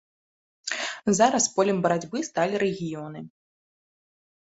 Зараз полем барацьбы сталі рэгіёны.